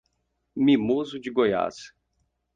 Mimoso de Goiás